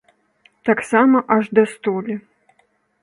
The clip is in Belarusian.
Таксама аж да столі.